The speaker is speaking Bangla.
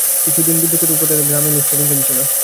কিন্তু বিদ্যুতের উৎপাদন বাড়লেও গ্রামে লোডশেডিং কমছে না।